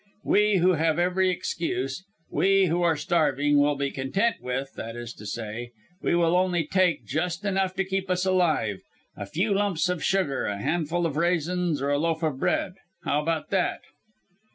We who have every excuse we who are starving will be content with that is to say we will only take just enough to keep us alive a few lumps of sugar, a handful of raisins, or a loaf of bread. How about that?"